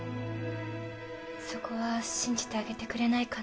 そこは信じてあげてくれないかな